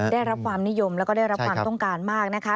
ได้รับความนิยมแล้วก็ได้รับความต้องการมากนะคะ